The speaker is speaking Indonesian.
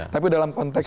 tapi dalam konteks